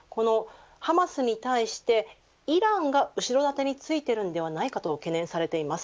ハマスに対してイランが後ろ盾についているんではないかと懸念されています。